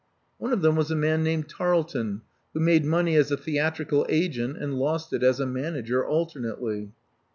One of them was a man named Tarleton, who made money as a theatrical agent and lost it as a manager alternately."